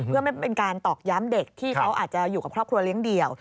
เพื่อไม่เป็นการตอกย้ำเด็กที่เขาอาจจะอยู่กับครอบครัวเลี้ยงเดี่ยว